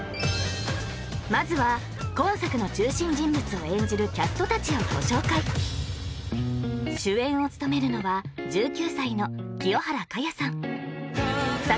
まずは今作の中心人物を演じるキャストたちをご紹介主演を務めるのは１９歳の清原果耶さん